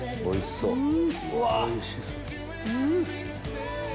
おいしそう！